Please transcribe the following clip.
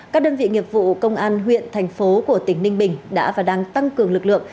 các đơn vị nghiệp vụ công an huyện thành phố của tỉnh ninh bình đã và đang tăng cường lực lượng